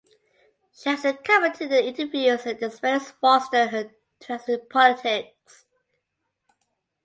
She has commented in interviews that the experience fostered her interest in politics.